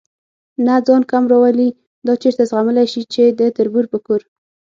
نه ځان کم راولي، دا چېرته زغملی شي چې د تربور په کور.